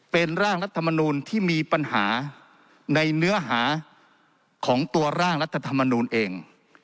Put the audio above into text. เป็นร่างรัฐมนูลที่มีปัญหาในเนื้อหาของตัวร่างรัฐธรรมนูลเอง